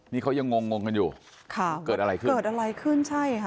นี่เขายังงงกันอยู่เกิดอะไรขึ้น